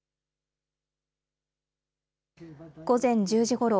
午前１０時ごろ。